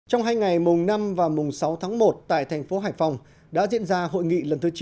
trong hai ngày mùng năm và mùng sáu tháng một tại thành phố hải phòng đã diễn ra hội nghị lần thứ chín